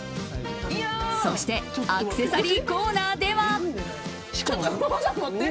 そしてアクセサリーコーナーでは。